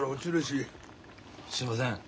すいません。